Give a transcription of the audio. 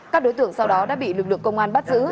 các đối tượng sau đó đã bị lực lượng công an bắt giữ